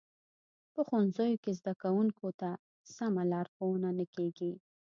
په ښوونځیو کې زده کوونکو ته سمه لارښوونه نه کیږي